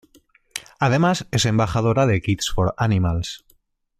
Además es embajadora de Kids for Animals.